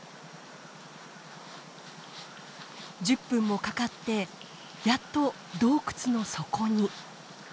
１０分もかかってやっと洞窟の底に。